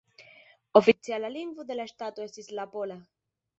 Oficiala lingvo de la ŝtato estis la pola.